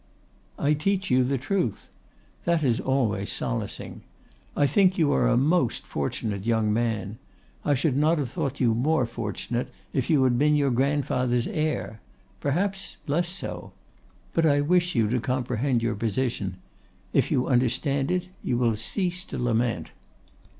'I teach you the truth. That is always solacing. I think you are a most fortunate young man; I should not have thought you more fortunate if you had been your grandfather's heir; perhaps less so. But I wish you to comprehend your position: if you understand it you will cease to lament.